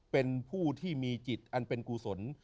เป็นผู้ที่มีจิตอันเป็นกุศล